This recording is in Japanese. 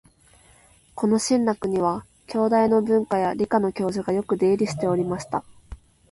この「信楽」には、京大の文科や理科の教授がよく出入りしておりました